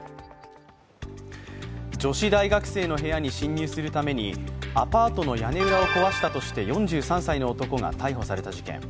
女子大学生の部屋に侵入するためにアパートの屋根裏を壊したとして４３歳の男が逮捕された事件。